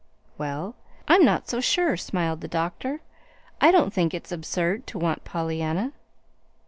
"Well, I'm not so sure," smiled the doctor. "I don't think it's absurd to want Pollyanna."